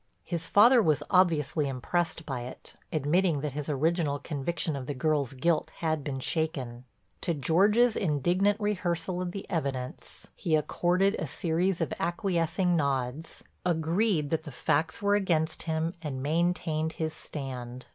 His father was obviously impressed by it, admitting that his original conviction of the girl's guilt had been shaken. To George's indignant rehearsal of the evidence, he accorded a series of acquiescing nods, agreed that the facts were against him and maintained his stand.